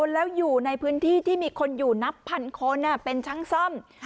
แล้วอยู่ในพื้นที่ที่มีคนอยู่นับพันคนเป็นช่างซ่อม